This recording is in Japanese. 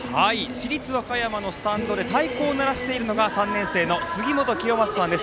市立和歌山のスタンドで太鼓を鳴らしているのが３年生のすぎもときよまささんです。